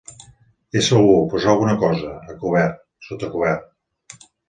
Ésser algú, posar alguna cosa, a cobert, sota cobert.